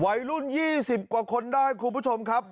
หลายรุ่นยี่สิบกว่าคนได้คุณผู้ชมครับ